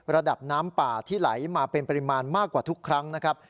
ระดับน้ำป่าที่ไหลมาเป็นปริมาณมากกว่าทุกครั้งนะครับ